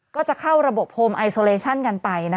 ก็จะเข้าระบบโฮมไอโซเลชั่นกันไป